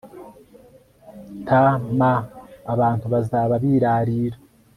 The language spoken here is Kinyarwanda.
Tm abantu bazaba birarira